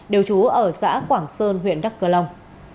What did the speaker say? đều trú ở xã quảng sơn huyện đắk cơ long